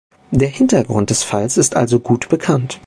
Der Hintergrund des Falls ist also gut bekannt.